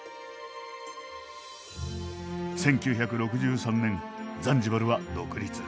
１９６３年ザンジバルは独立。